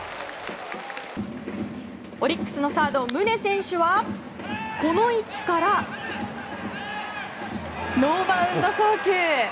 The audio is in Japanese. オリックスのサード宗選手はこの位置からノーバウンド送球。